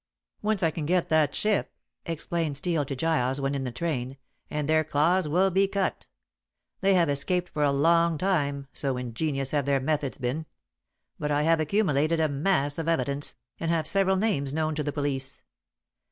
"Once I can get that ship," explained Steel to Giles when in the train, "and their claws will be cut. They have escaped for a long time, so ingenious have their methods been. But I have accumulated a mass of evidence, and have several names known to the police.